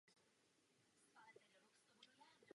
Upřímně, jako Evropanka se stydím.